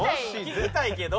聞きたいけど。